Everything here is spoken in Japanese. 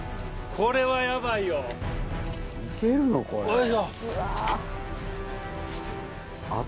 おいしょ！